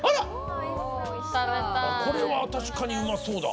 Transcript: あらこれは確かにうまそうだ。